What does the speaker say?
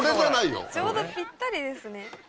ちょうどぴったりですね。